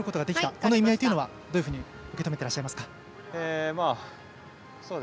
この意味というのはどういうふうに受け止めていますか？